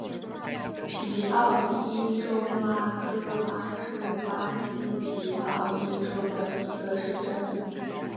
皮奥伊州拉戈阿是巴西皮奥伊州的一个市镇。